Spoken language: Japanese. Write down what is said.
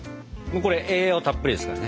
これ栄養たっぷりですからね。